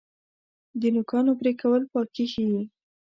د نوکانو پرې کول پاکي ښیي.